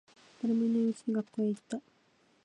誰もいないうちに学校へ行った。